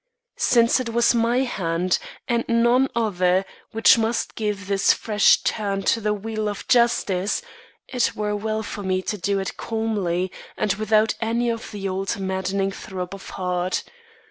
Since it was my hand and none other which must give this fresh turn to the wheel of justice, it were well for me to do it calmly and without any of the old maddening throb of heart.